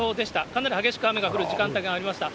かなり激しく雨が降る時間帯がありました。